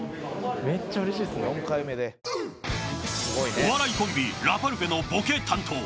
お笑いコンビ・ラパルフェのボケ担当。